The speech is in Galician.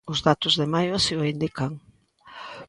Os datos de maio así o indican.